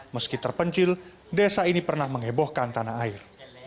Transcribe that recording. meski terpencil desa ini pernah mengebohkan tanah air